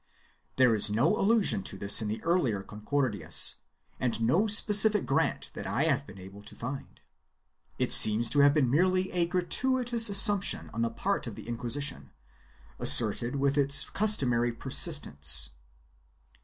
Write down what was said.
There is no allusion to this in the earlier Concordias and no specific grant that I have been able to find. It seems to have been merely a gratuitous assumption on the part of the Inqui sition, asserted with its customary persistence.